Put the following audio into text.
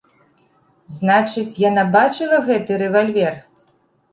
Значыць, яна бачыла гэты рэвальвер?